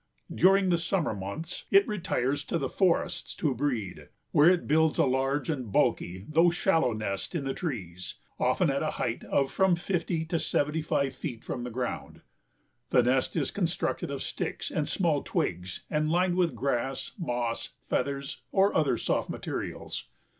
During the summer months it retires to the forests to breed, where it builds a large and bulky though shallow nest in trees, often at a height of from fifty to seventy five feet from the ground. The nest is constructed of sticks and small twigs and lined with grass, moss, feathers or other soft materials.